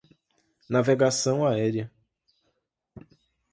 Navegação aérea